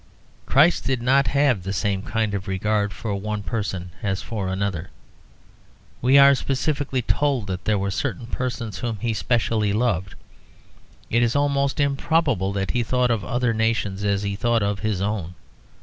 Christ did not have the same kind of regard for one person as for another. We are specifically told that there were certain persons whom He specially loved. It is most improbable that He thought of other nations as He thought of His own.